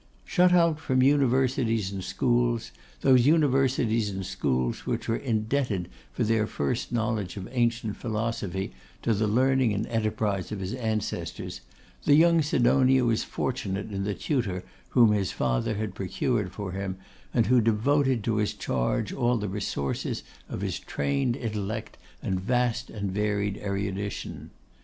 Shut out from universities and schools, those universities and schools which were indebted for their first knowledge of ancient philosophy to the learning and enterprise of his ancestors, the young Sidonia was fortunate in the tutor whom his father had procured for him, and who devoted to his charge all the resources of his trained intellect and vast and varied erudition.